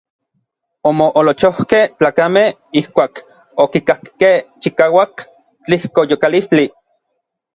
Omoolochojkej tlakamej ijkuak okikakkej chikauak tlijkoyokalistli.